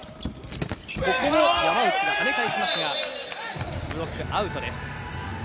ここも山内が跳ね返しますがブロックアウトです。